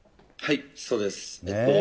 はい、そうです。